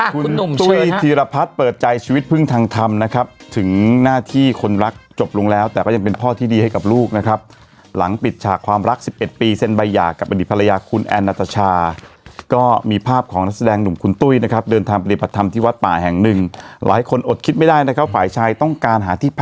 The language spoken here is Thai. คุณหนุ่มจุ้ยธีรพัฒน์เปิดใจชีวิตพึ่งทางธรรมนะครับถึงหน้าที่คนรักจบลงแล้วแต่ก็ยังเป็นพ่อที่ดีให้กับลูกนะครับหลังปิดฉากความรัก๑๑ปีเซ็นใบหย่ากับอดีตภรรยาคุณแอนนาตชาก็มีภาพของนักแสดงหนุ่มคุณตุ้ยนะครับเดินทางปฏิบัติธรรมที่วัดป่าแห่งหนึ่งหลายคนอดคิดไม่ได้นะครับฝ่ายชายต้องการหาที่พ